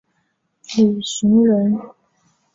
李绚人。